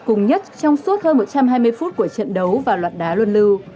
cùng nhất trong suốt hơn một trăm hai mươi phút của trận đấu và loạt đá luân lưu